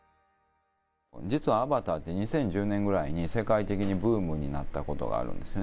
実はアバターって、２０１０年ぐらいに世界的にブームになったことがあるんですね。